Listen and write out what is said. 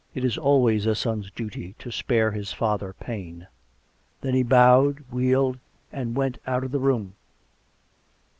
It is always a son's duty to spare his father pain." Then he bowed, wheeled, and went out of the room.